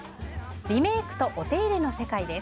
リメイクとお手入れの世界です。